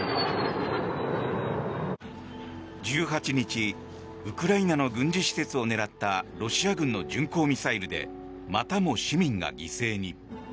１８日ウクライナの軍事施設を狙ったロシア軍の巡航ミサイルでまたも市民が犠牲に。